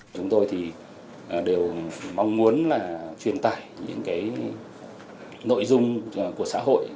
chúng tôi đều mong muốn truyền tải những nội dung của xã hội